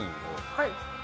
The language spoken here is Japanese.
はい。